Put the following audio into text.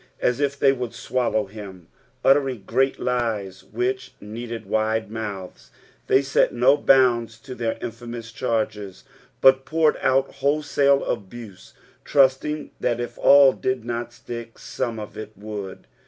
As if they would swallow him. tltteriag great lies which needed wide mouths. They set no bounds to their infamous charges, but poured out wholesale al>use, trusting that if all did not stick, some of it would.